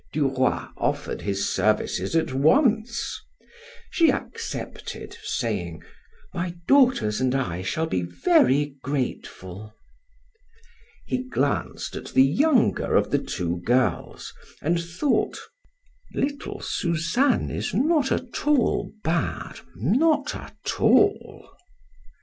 Du Roy offered his services at once. She accepted, saying: "My daughters and I shall be very grateful." He glanced at the younger of the two girls and thought: "Little Suzanne is not at all bad, not at all."